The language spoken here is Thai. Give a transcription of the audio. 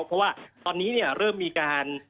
เพราะว่าตอนนี้เริ่มมีการ